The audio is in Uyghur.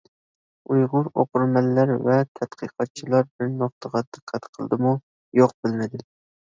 ئۇيغۇر ئوقۇرمەنلەر ۋە تەتقىقاتچىلار بىر نۇقتىغا دىققەت قىلدىمۇ-يوق، بىلمىدىم.